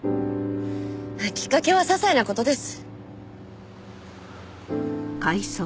きっかけはささいな事です。